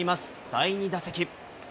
第２打席。